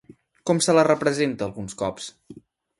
Com se la representa alguns cops?